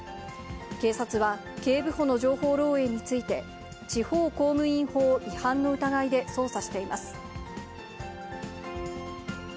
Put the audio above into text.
警察は、警部補の情報漏えいについて、地方公務員法違反の疑いで捜査しています。